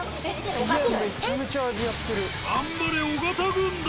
頑張れ尾形軍団。